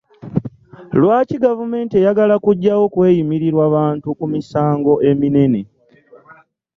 Lwaki gavumenti eyagala kujawo kweyimirirwa bantu ku misango eminene.